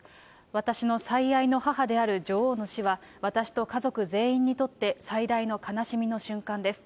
私の最愛の母である女王の死は、私と家族全員にとって最大の悲しみの瞬間です。